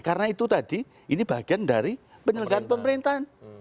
karena itu tadi ini bagian dari penyelenggaraan pemerintahan